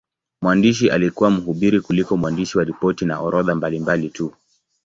Mwandishi alikuwa mhubiri kuliko mwandishi wa ripoti na orodha mbalimbali tu.